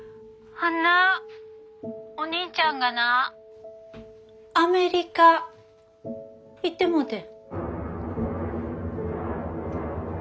あんなお兄ちゃんがなアメリカ行ってもうてん。